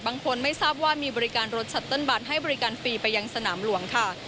ไม่ทราบว่ามีบริการรถชัตเติ้ลบัตรให้บริการฟรีไปยังสนามหลวงค่ะ